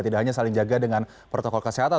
tidak hanya saling jaga dengan protokol kesehatan